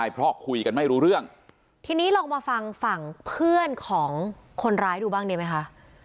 เพื่อนของคนร้ายดูบ้างดีไหมคะ